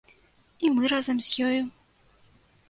І мы разам з ёю!